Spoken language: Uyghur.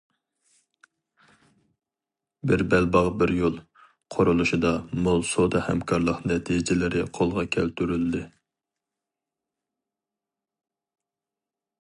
« بىر بەلباغ، بىر يول» قۇرۇلۇشىدا، مول سودا ھەمكارلىق نەتىجىلىرى قولغا كەلتۈرۈلدى.